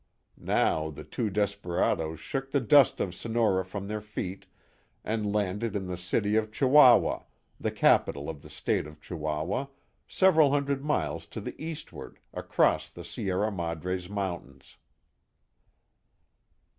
Now the two desperadoes shook the dust of Sonora from their feet and landed in the city of Chihuahua, the capital of the State of Chihuahua, several hundred miles to the eastward, across the Sierra Madres mountains.